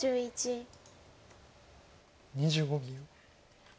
２５秒。